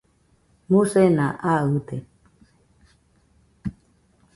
musena aɨde